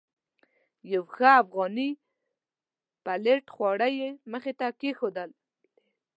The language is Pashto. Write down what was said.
یو ښه افغاني پلیټ خواړه مې مخې ته کېښودل.